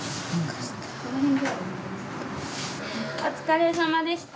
お疲れさまでした。